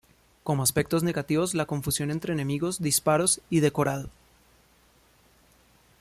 Como aspectos negativos la confusión entre enemigos, disparos y decorado.